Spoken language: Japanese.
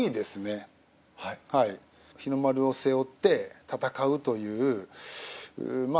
日の丸を背負って戦うというまあ